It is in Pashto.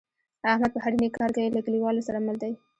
احمد په هر نیک کار کې له کلیوالو سره مل دی.